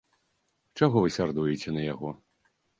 Чаго вы сярдуеце на яго?